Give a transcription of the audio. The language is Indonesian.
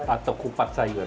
atau kupat sayur